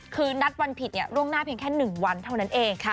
คือนัดวันผิดล่วงหน้าเพียงแค่๑วันเท่านั้นเอง